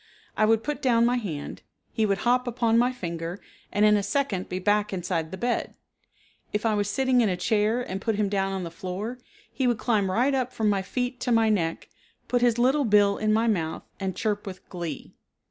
I would put down my hand, he would hop upon my finger and in a second be back inside the bed. If I was sitting in a chair and put him down on the floor, he would climb right up from my feet to my neck, put his little bill in my mouth and chirp with glee.